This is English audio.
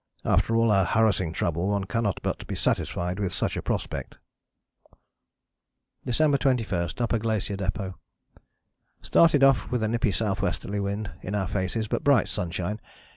After all our harassing trouble one cannot but be satisfied with such a prospect." December 21. Upper Glacier Depôt. "Started off with a nippy S.Wly. wind in our faces, but bright sunshine.